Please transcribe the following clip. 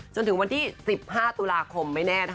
จนถึงวันที่๑๕ตุลาคมไม่แน่นะคะ